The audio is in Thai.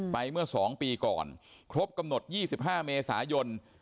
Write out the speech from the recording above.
เมื่อ๒ปีก่อนครบกำหนด๒๕เมษายน